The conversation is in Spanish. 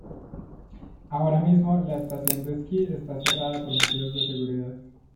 Ahora mismo la estación de esquí está cerrada por motivos de seguridad.